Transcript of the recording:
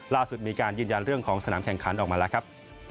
ล่าสุดมีการยืนยันเรื่องของสนามแข่งขันออกมาแล้วครับ